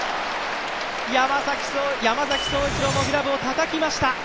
山崎颯一郎もグラブをたたきました。